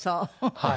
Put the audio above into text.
はい。